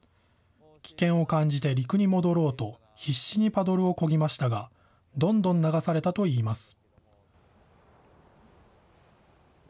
危険を感じて陸に戻ろうと、必死にパドルをこぎましたが、どんどん流されたといいます。